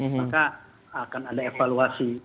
maka akan ada evaluasi